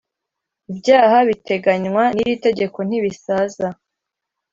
ibyaha biteganywa n’iri tegeko ntibisaza